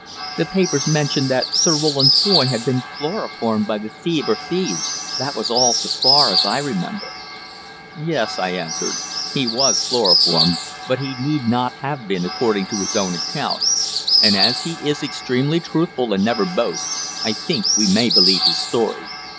"The papers mentioned that Sir Roland's boy had been chloroformed by the thief or thieves that was all so far as I remember." "Yes," I answered, "he was chloroformed, but he need not have been according to his own account and as he is extremely truthful and never boasts, I think we may believe his story.